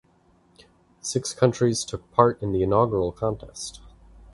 Six countries took part in the inaugural contest.